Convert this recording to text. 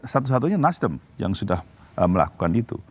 satu satunya nasdem yang sudah melakukan itu